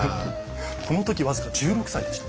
この時僅か１６歳でした。